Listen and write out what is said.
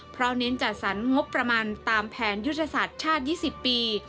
เพราะเน้นจัดสรรงบประมาณตามแผนยุทธศาสตร์ชาติ๒๐ปี